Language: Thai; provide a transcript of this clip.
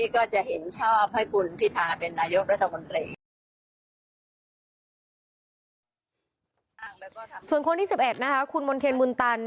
คุณมนเทียนมุนตัน